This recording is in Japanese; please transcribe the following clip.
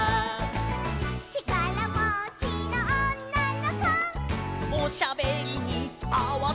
「ちからもちのおんなのこ」「おしゃべりにあわてんぼ」